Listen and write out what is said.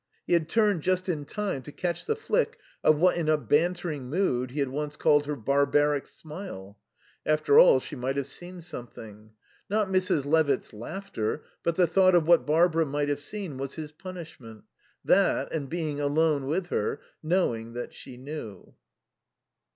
He had turned just in time to catch the flick of what in a bantering mood he had once called her "Barbaric smile." After all, she might have seen something. Not Mrs. Levitt's laughter but the thought of what Barbara might have seen was his punishment that and being alone with her, knowing that she knew.